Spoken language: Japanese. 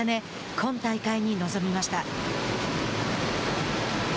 今大会に臨みました。